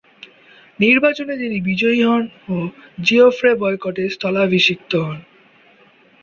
নির্বাচনে তিনি বিজয়ী হন ও জিওফ্রে বয়কটের স্থলাভিষিক্ত হন।